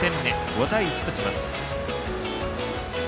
５対１とします。